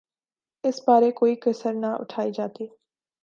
اس بارے کوئی کسر نہ اٹھائی جاتی۔